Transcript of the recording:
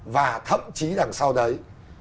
và thậm chí đằng sau đấy